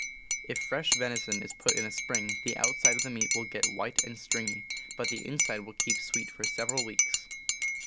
If fresh venison is put in a spring the out side of the meat will get white and stringy but the in side will keep sweet for several weeks.